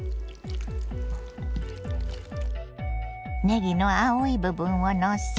ねぎの青い部分をのせ。